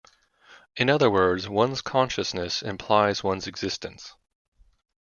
In other words, one's consciousness implies one's existence.